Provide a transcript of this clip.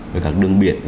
về các đường biển